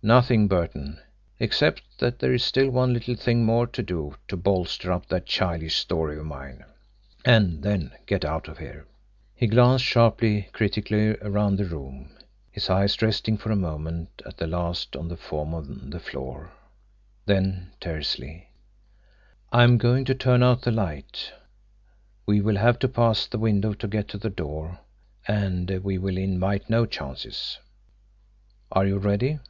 "Nothing, Burton except that there is still one little thing more to do to bolster up that 'childish' story of mine and then get out of here." He glanced sharply, critically around the room, his eyes resting for a moment at the last on the form on the floor. Then tersely: "I am going to turn out the light we will have to pass the window to get to the door, and we will invite no chances. Are you ready?"